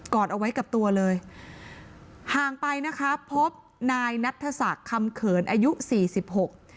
อดเอาไว้กับตัวเลยห่างไปนะคะพบนายนัทศักดิ์คำเขินอายุสี่สิบหก